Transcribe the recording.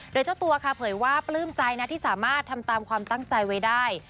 โดยเจ้าตัวค่ะเผยว่าปลื้มใจนะที่สามารถทำตามความตั้งใจไว้ได้